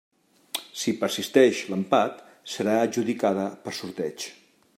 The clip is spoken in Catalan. Si persisteix l'empat, serà adjudicada per sorteig.